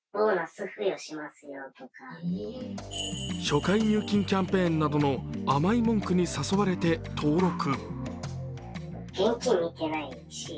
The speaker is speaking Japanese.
初回入金キャンペーンなどの甘い文句に誘われて登録。